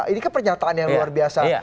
ini kepernyataan yang luar biasa